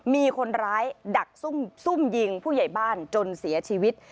มีคนร้ายดักซุ่มยิงผู้ใหญ่บ้านจนเสียชีวิต